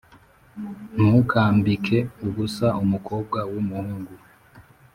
Ntukambike ubusa umukobwa w umuhungu